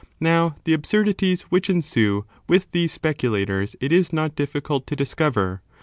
Now, the absurdities which ensue with these speculators it is not difficult to discover.